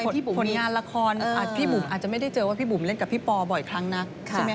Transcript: ผลงานละครอาจจะไม่ได้เจอว่าพี่บุ๋มเล่นกับพี่ปอบ่อยครั้งนัก